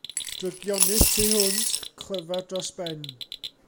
Drygionus tu hwnt; clyfar dros ben.